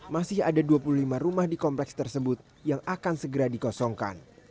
masih ada dua puluh lima rumah di kompleks tersebut yang akan segera dikosongkan